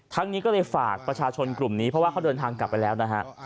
นี้ก็เลยฝากประชาชนกลุ่มนี้เพราะว่าเขาเดินทางกลับไปแล้วนะฮะ